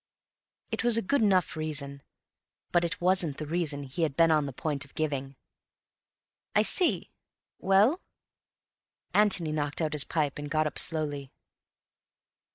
It was a good enough reason, but it wasn't the reason he had been on the point of giving. "I see. Well?" Antony knocked out his pipe and got up slowly.